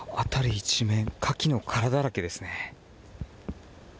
一面、カキの殻だらけですね。